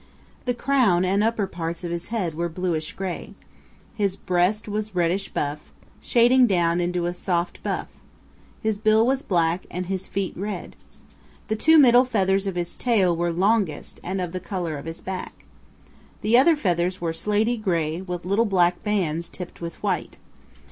The crown and upper parts of his head were bluish gray. His breast was reddish buff, shading down into a soft buff. His bill was black and his feet red. The two middle feathers of his tail were longest and of the color of his back. The other feathers were slaty gray with little black bands and tipped with white.